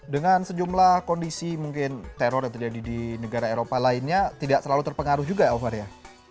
dengan sejumlah kondisi mungkin teror yang terjadi di negara eropa lainnya tidak terlalu terpengaruh juga ya over ya